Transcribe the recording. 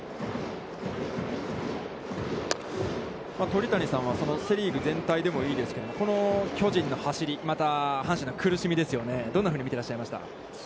鳥谷さんはセ・リーグ全体でもいいですけど、この巨人の走り、また阪神の苦しみ、どんなふうに見てらっしゃいました？